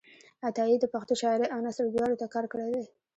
عطایي د پښتو شاعرۍ او نثر دواړو ته کار کړی دی.